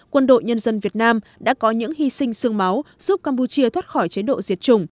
quân đội nhân dân việt nam đã có những hy sinh sương máu giúp campuchia thoát khỏi chế độ diệt chủng